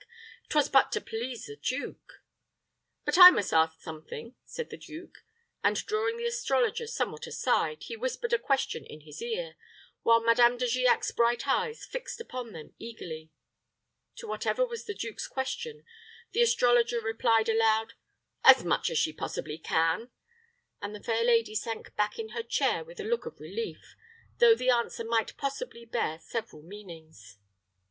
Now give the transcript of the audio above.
"'Twas but to please the duke." "But I must ask something," said the duke; and, drawing the astrologer somewhat aside, he whispered a question in his ear, while Madame De Giac's bright eyes fixed upon them eagerly. To whatever was the duke's question, the astrologer replied, aloud, "As much as she possibly can," and the fair lady sank back in her chair with a look of relief, though the answer might possibly bear several meanings.